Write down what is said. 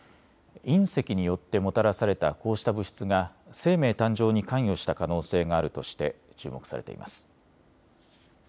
隕石によってもたらされたこうした物質が生命誕生に関与した可能性があるとして注目されています。